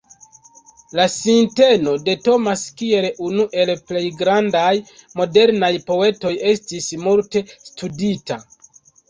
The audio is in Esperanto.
La sinteno de Thomas kiel unu el plej grandaj modernaj poetoj estis multe studita.